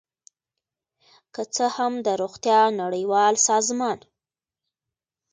که څه هم د روغتیا نړیوال سازمان